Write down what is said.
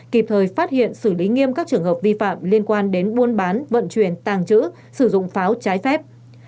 kịp thời phát hiện xử lý nghiêm các trường hợp vi phạm liên quan đến buôn bán vận chuyển tàng trữ sử dụng pháo trái phép